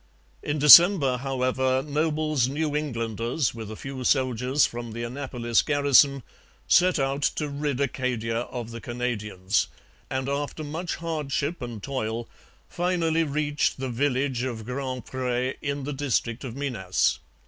In December, however, Noble's New Englanders, with a few soldiers from the Annapolis garrison, set out to rid Acadia of the Canadians; and after much hardship and toil finally reached the village of Grand Pre in the district of Minas.